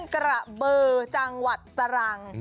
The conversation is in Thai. กระเบอร์จังหวัดตรัง